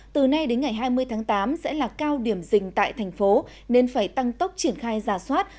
từ nay đến ngày hai mươi tháng tám sẽ là cao điểm dình tại thành phố nên phải tăng tốc triển khai giả soát